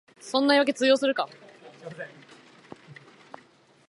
そんな言いわけ通用するか